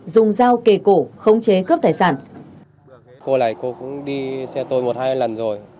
dùng dao kề cổ khống chế cướp tài sản